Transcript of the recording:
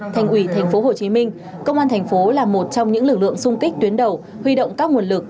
thành ủy tp hcm công an thành phố là một trong những lực lượng sung kích tuyến đầu huy động các nguồn lực